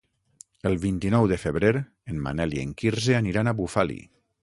El vint-i-nou de febrer en Manel i en Quirze aniran a Bufali.